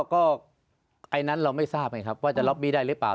ก็ไอ้นั้นเราไม่ทราบไงครับว่าจะล็อบบี้ได้หรือเปล่า